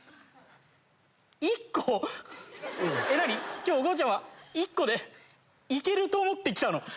今日ごうちゃんは１個で行けると思って来たの？